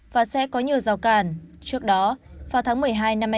và sẽ có nhiều giao cản trước đó vào tháng một mươi hai năm hai nghìn hai mươi ba